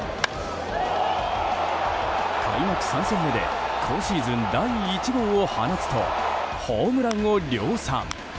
開幕３戦目で今シーズン第１号を放つとホームランを量産。